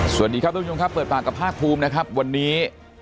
สวัสดีครับทุกผู้ชมครับเปิดปากกับภาคภูมินะครับวันนี้